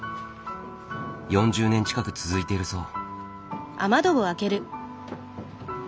４０年近く続いているそう。